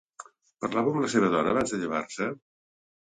Parlava amb la seva dona abans de llevar-se?